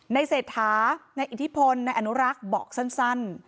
ในเสร็จท้านายอิทธิพลนายอนุรักษ์บอกสั้น